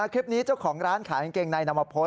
คลิปนี้เจ้าของร้านขายกางเกงในนำมาโพสต์